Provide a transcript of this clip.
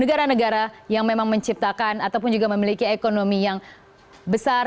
negara negara yang memang menciptakan ataupun juga memiliki ekonomi yang besar